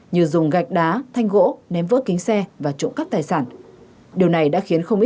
như dùng gạch đá thanh gỗ ném vỡ kính xe và trộm cắp tài sản